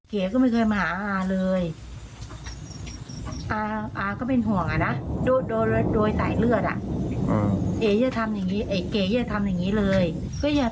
หลอกลวงอะไรเขาหรือเปล่า